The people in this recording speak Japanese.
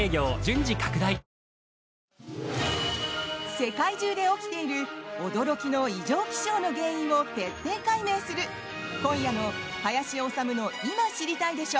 世界中で起きている驚きの異常気象の原因を徹底解明する今夜の「林修の今、知りたいでしょ！」